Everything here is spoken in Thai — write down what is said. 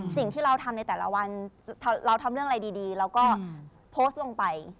สิ่งที่เราทำในแต่ละวันเราทำเรื่องอะไรดีเราก็โพสต์ลงไป